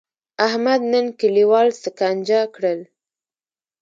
احمد نن کلیوال سکنجه کړل.